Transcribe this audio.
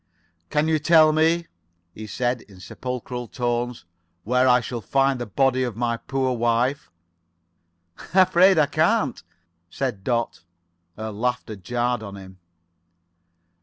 "Can you tell me," he said in sepulchral tones, "where I shall find the body of my poor wife?" "Afraid I can't," said Dot. Her laughter jarred on him.